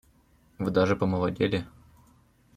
Вы даже помолодели.